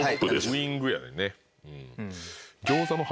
ウイングやねんね。